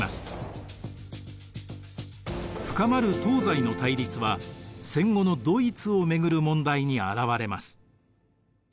深まる東西の対立は戦後のドイツを巡る問題にあらわれます。